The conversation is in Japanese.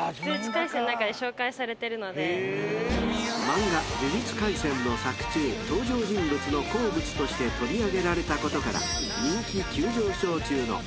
［漫画『呪術廻戦』の作中登場人物の好物として取り上げられたことから人気急上昇中の］